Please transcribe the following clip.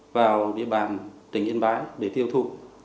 vào địa bàn tỉnh yên bái để tiêu thụ